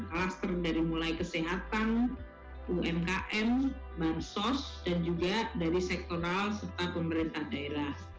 kluster dari mulai kesehatan umkm bansos dan juga dari sektoral serta pemerintah daerah